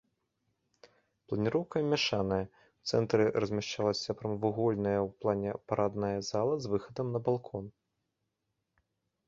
Планіроўка мяшаная, у цэнтры размяшчалася прамавугольная ў плане парадная зала з выхадам на балкон.